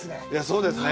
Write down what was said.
そうですね。